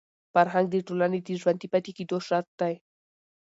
فرهنګ د ټولني د ژوندي پاتې کېدو شرط دی.